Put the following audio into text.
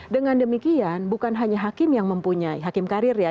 dengan demikian bukan hanya hakim yang mempunyai hakim karir ya